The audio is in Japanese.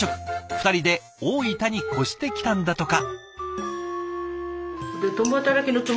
２人で大分に越してきたんだとか。